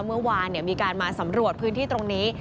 เมื่อวานมีการมาสำรวจพื้นที่ตรงนี้